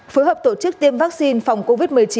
phối hợp tổ chức tiêm vaccine phòng covid một mươi chín